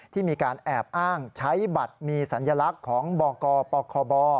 ที่มีการแอบอ้างใช้บัตรมีสัญลักษณ์ของบกปคบ